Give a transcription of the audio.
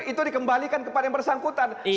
itu dikembalikan kepada yang bersangkutan